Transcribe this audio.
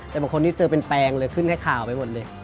แต่บางคนนี้เจอเป็นแปลงเลยขึ้นแค่ข่าวไปหมดเลย